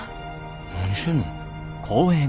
何してんの？